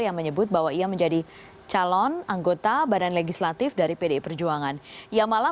yang menyebut bahwa ia menjadi calon anggota badan legislatif dari pdi perjuangan ia malah